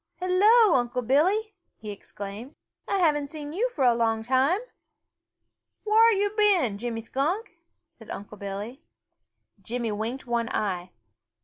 "Hello, Unc' Billy!" he exclaimed. "I haven't seen you for a long time!" "Whar yo' been, Jimmy Skunk?" asked Unc' Billy. Jimmy winked one eye.